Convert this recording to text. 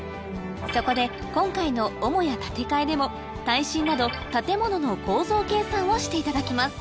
そこで今回の母屋建て替えでも耐震など建物の構造計算をしていただきます